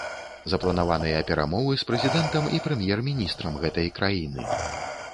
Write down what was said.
Запланаваныя перамовы з прэзідэнтам і прэм'ер-міністрам гэтай краіны.